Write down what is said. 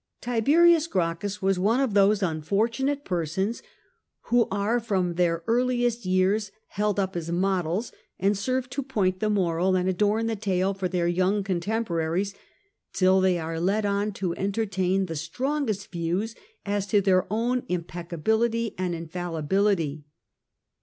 Tiberius Gracchus was one of those unfortunate persons who are from their earliest years held up as models, and serve to point the moral and adorn the tale for their young contemporaries, till they are led on to entertain the strongest views as to their own impeccability and infallibility.